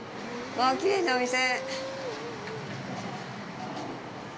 わあ、きれいなお店。